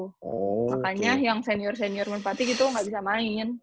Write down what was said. makanya yang senior senior merpati gitu nggak bisa main